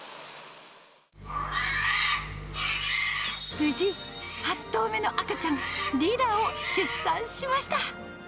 無事、８頭目の赤ちゃん、リラを出産しました。